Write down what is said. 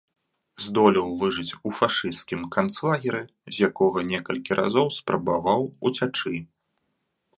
Здолеў выжыць у фашысцкім канцлагеры, з якога некалькі разоў спрабаваў уцячы.